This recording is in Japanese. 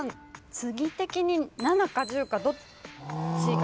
次的に７か１０かどっちが。